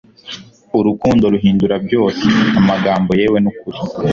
urukundo ruhindura byose, amagambo yewe nukuri